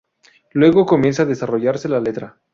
Luego comienza a desarrollarse la letra.